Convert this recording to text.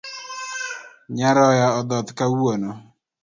Nyaroya odhoth kawuono.